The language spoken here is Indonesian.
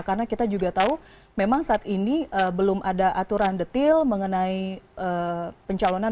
karena kita juga tahu memang saat ini belum ada aturan detail mengenai pencalonan